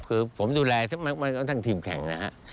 คือผมดูแลขมันต้นทีมแข่งนะฮะ